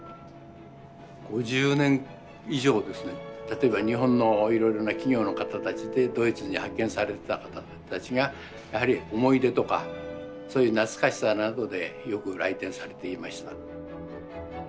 例えば日本のいろいろな企業の方たちでドイツに派遣されてた方たちがやはり思い出とかそういう懐かしさなどでよく来店されていました。